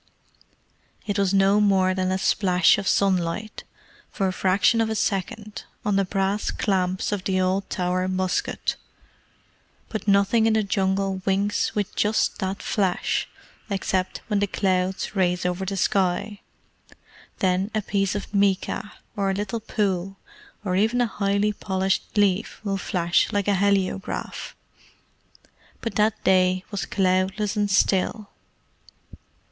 It was no more than a splash of sunlight, for a fraction of a second, on the brass clamps of the old Tower musket, but nothing in the Jungle winks with just that flash, except when the clouds race over the sky. Then a piece of mica, or a little pool, or even a highly polished leaf will flash like a heliograph. But that day was cloudless and still.